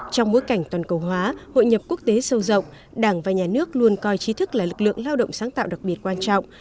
trong bối cảnh toàn cầu hóa hội nhập quốc tế sâu rộng đảng và nhà nước luôn coi trí thức là lực lượng lao động sáng tạo đặc biệt quan trọng